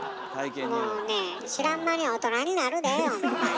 もうね知らん間に大人になるでホンマに。